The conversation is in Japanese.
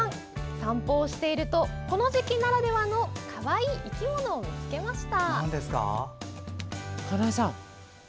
散歩をしているとこの時期ならではのかわいい生き物を見つけました。